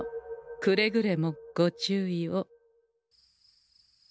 くれぐれもご注意を。